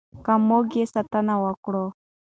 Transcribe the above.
که موږ یې ساتنه وکړو.